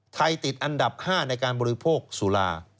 ติดอันดับ๕ในการบริโภคสุรา